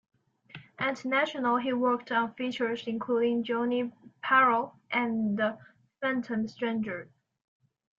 At National, he worked on features including "Johnny Peril" and "The Phantom Stranger".